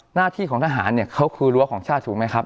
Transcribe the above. หน้าที่ของทหารเนี่ยเขาคือรั้วของชาติถูกไหมครับ